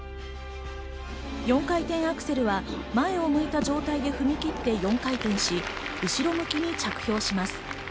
４回転アクセルは前を向いた状態で踏み切って４回転し、後ろ向きに着氷します。